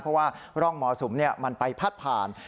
เพราะว่าร่องมรสุมมันไปพัดผ่าน